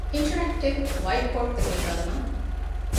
އިންޓަރެކްޓިވް ވައިޓްބޯޑްތަކެއް ގަންނަން